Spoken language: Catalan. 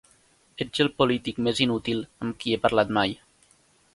Ets el polític més inútil amb qui he parlat mai.